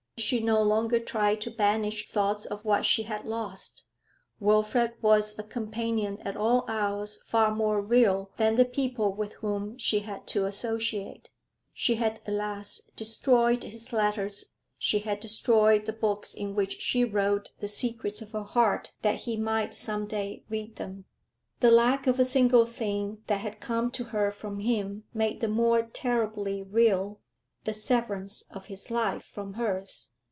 She no longer tried to banish thoughts of what she had lost; Wilfrid was a companion at all hours far more real than the people with whom she had to associate. She had, alas, destroyed his letters she had destroyed the book in which she wrote the secrets of her heart that he might some day read them. The lack of a single thing that had come to her from him made the more terribly real the severance of his life from hers.